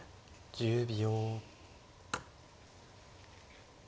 １０秒。